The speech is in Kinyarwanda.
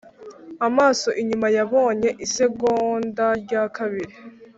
amaso inyuma yabonye isegonda ryakabiri